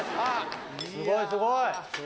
すごいすごい。